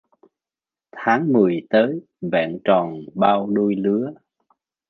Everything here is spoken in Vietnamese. Tháng mười tới vẹn tròn bao đôi lứa